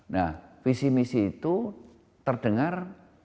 nah visi misi itu terdengar